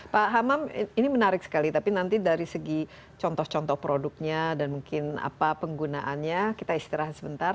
pak hamam ini menarik sekali tapi nanti dari segi contoh contoh produknya dan mungkin apa penggunaannya kita istirahat sebentar